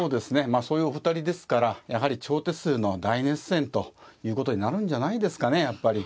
まあそういうお二人ですからやはり長手数の大熱戦ということになるんじゃないですかねやっぱり。